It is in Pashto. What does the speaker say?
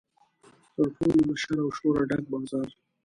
تر ټولو له شر او شوره ډک بازار.